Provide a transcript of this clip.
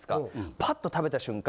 パッと食べた瞬間